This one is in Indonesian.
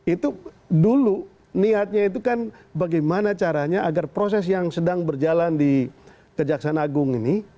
itu dulu niatnya itu kan bagaimana caranya agar proses yang sedang berjalan di kejaksaan agung ini